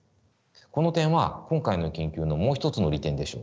この点は今回の研究のもう一つの利点でしょう。